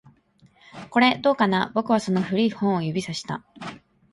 これ、どうかな？僕はその古い本を指差した